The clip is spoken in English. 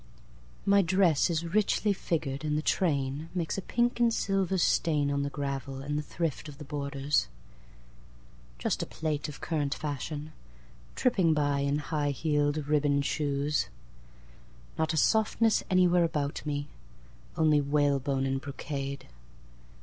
My dress is richly figured, And the trainMakes a pink and silver stainOn the gravel, and the thriftOf the borders. Just a plate of current fashion, Tripping by in high heeled, ribboned shoes. Not a softness anywhere about me, Only whalebone and brocade.